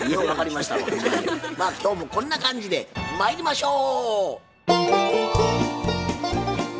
まあ今日もこんな感じでまいりましょう！